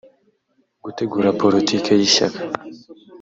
gutegura politiki y’ishyaka